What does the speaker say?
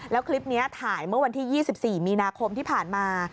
แล้วคลิปนี้ถ่ายเมื่อวันที่๒๔มีนาคมที่ผ่านมา